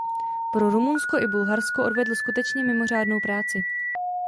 Pro Rumunsko i Bulharsko odvedl skutečně mimořádnou práci.